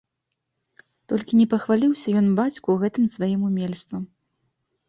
Толькі не пахваліўся ён бацьку гэтым сваім умельствам.